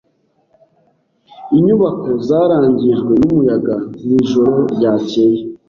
Inyubako zarangijwe n’umuyaga mwijoro ryakeye.